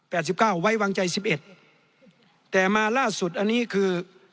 สิบเก้าไว้วางใจสิบเอ็ดแต่มาล่าสุดอันนี้คือ